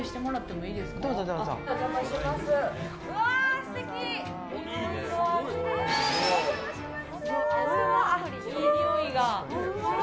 いいにおいが。